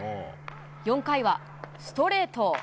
４回はストレート。